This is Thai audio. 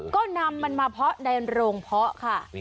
ก็นำมันมาเพาะในโรงเพาะค่ะ